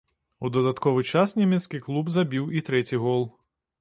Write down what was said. У дадатковы час нямецкі клуб забіў і трэці гол.